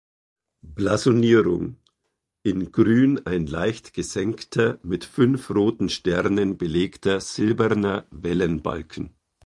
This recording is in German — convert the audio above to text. Blasonierung: „In Grün ein leicht gesenkter, mit fünf roten Sternen belegter silberner Wellenbalken.